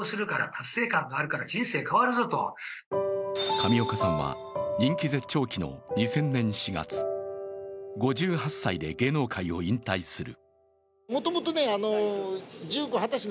上岡さんは人気絶頂期の２０００年４月、５８歳で芸能界を引退する。